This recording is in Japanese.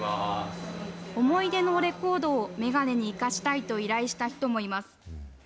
思い出のレコードをメガネに生かしたいと依頼した人もいます。